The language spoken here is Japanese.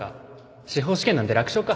司法試験なんて楽勝か